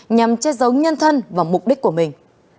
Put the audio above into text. nhằm che giấu nhân thân và mục đích của mình